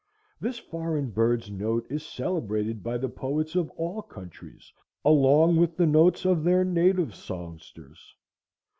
This foreign bird's note is celebrated by the poets of all countries along with the notes of their native songsters.